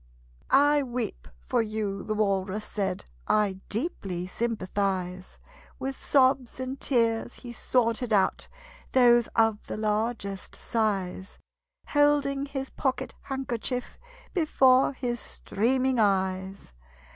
"I weep for you," the Walrus said: "I deeply sympathize." With sobs and tears he sorted out Those of the largest size, Holding his pocket handkerchief Before his streaming eyes.